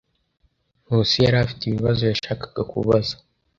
Nkusi yari afite ibibazo yashakaga kubaza.